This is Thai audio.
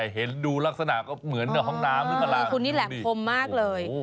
เห็นดูลักษณะก็เหมือนห้องน้ำคุณนี่แหลมพรมมากเลย